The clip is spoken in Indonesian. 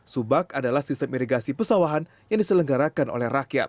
subak adalah sistem irigasi pesawahan yang diselenggarakan oleh rakyat